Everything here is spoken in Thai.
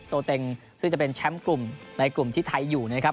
เต็งซึ่งจะเป็นแชมป์กลุ่มในกลุ่มที่ไทยอยู่นะครับ